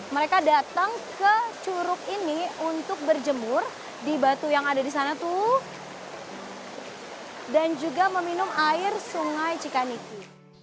mereka datang ke curug ini untuk berjemur di batu yang ada di sana dan juga meminum air sungai cikaniki